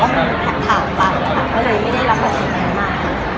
เพราะว่ามีแผลขาดต่ำ